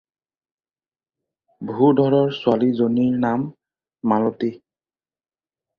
ভূধৰৰ হোৱালীজনীৰ নাম মালতী।